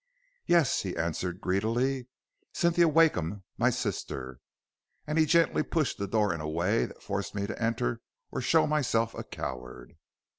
"'Yes,' he answered, greedily, 'Cynthia Wakeham, my sister.' And he gently pushed the door in a way that forced me to enter or show myself a coward.